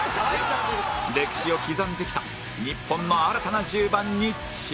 歴史を刻んできた日本の新たな１０番に注目